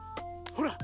ほら。